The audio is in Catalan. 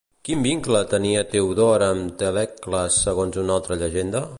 Quin vincle tenia Teodor amb Telecles segons una altra llegenda?